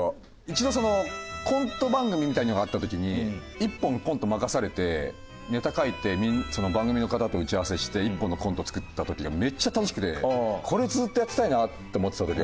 一度コント番組みたいなのがあった時に一本コント任されてネタ書いてその番組の方と打ち合わせして一本のコント作った時がめっちゃ楽しくてこれずっとやっていたいなって思ってた時があって。